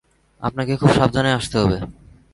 আপনাকে খুব সাবধানে আসতে হবে।